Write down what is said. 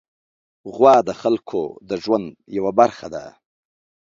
غوا د خلکو د ژوند یوه برخه ده.